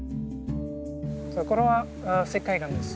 これは石灰岩です。